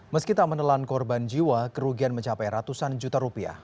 meskipun menelan korban jiwa kerugian mencapai ratusan juta rupiah